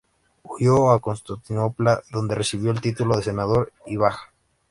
Huyó a Constantinopla donde recibió el título de senador y bajá.